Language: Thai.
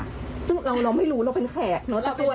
เราไม่รู้เราเป็นแขก